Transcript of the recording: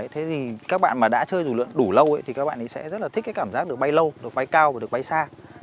thế thì các bạn mà đã chơi dụ lượng đủ lâu thì các bạn sẽ rất là thích cái cảm giác được bay lâu được bay cao và được bay xa